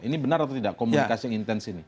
ini benar atau tidak komunikasi yang intens ini